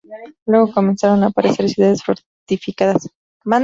Luego comenzaron a aparecer ciudades fortificadas.